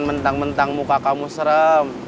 bentang bentang muka kamu serem